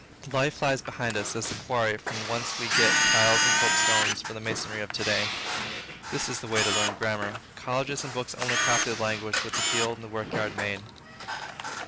Life lies behind us as the quarry from whence we get tiles and copestones for the masonry of to day. This is the way to learn grammar. Colleges and books only copy the language which the field and the work yard made.